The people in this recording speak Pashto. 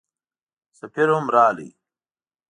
سفیر هم راغی.